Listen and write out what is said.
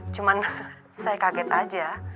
cuman saya kaget aja